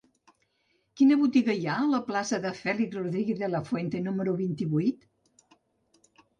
Quina botiga hi ha a la plaça de Félix Rodríguez de la Fuente número vint-i-vuit?